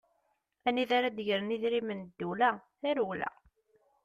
Anida ara d-gren idrimen n ddewla, tarewla!